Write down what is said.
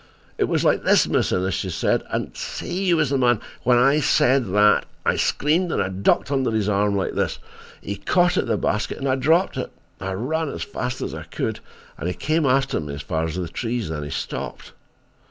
"It was like this, Miss Innes," she said, "and say you was the man. When he said that, I screamed and ducked under his arm like this. He caught at the basket and I dropped it. I ran as fast as I could, and he came after as far as the trees. Then he stopped.